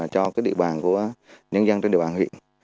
cho địa bàn của nhân dân trên địa bàn huyện